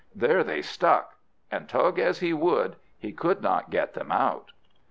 There they stuck, and tug as he would, he could not get them out.